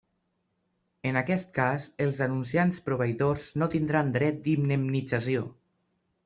En aquest cas els anunciants proveïdors no tindran dret d'indemnització.